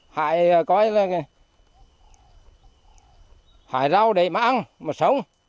hại quay là hại rau để mà ăn mà sống